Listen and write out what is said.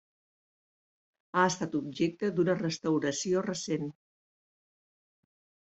Ha estat objecte d'una restauració recent.